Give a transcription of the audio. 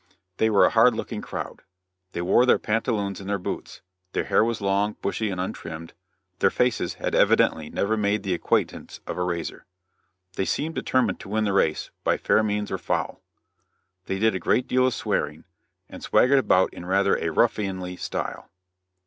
They were a hard looking crowd. They wore their pantaloons in their boots; their hair was long, bushy and untrimmed; their faces had evidently never made the acquaintance of a razor. They seemed determined to win the race by fair means or foul. They did a great deal of swearing, and swaggered about in rather a ruffianly style.